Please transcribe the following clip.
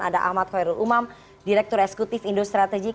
ada ahmad khoirul umam direktur esekutif indo strategik